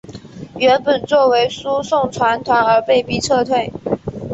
原本作为输送船团而被逼撤退。